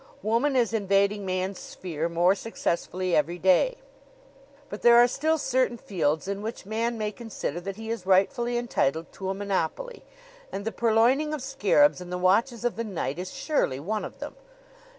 Woman is invading man's sphere more successfully every day; but there are still certain fields in which man may consider that he is rightfully entitled to a monopoly and the purloining of scarabs in the watches of the night is surely one of them.